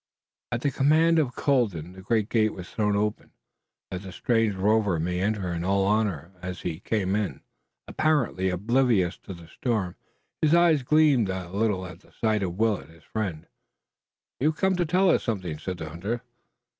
At the command of Colden the great gate was thrown open that the strange rover might enter in all honor, and as he came in, apparently oblivious of the storm, his eyes gleamed a little at the sight of Willet, his friend. "You've come to tell us something," said the hunter.